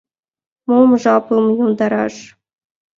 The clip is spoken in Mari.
Мом жапым йомдараш?..